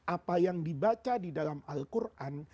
apa yang dibaca di dalam al quran